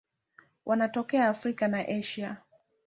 Wanatokea Afrika na Asia.